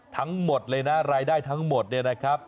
ทั้งหมดเลยนะรายได้ทั้งหมดเนี่ยนะครับ